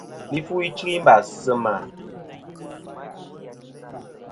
Li fu ichɨ i mbàs sɨ mà.